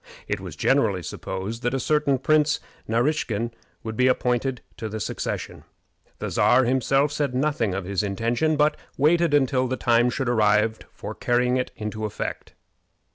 It was generally supposed that a certain Prince Naraskin would be appointed to the succession. The Czar himself said nothing of his intention, but waited until the time should arrive for carrying it into effect.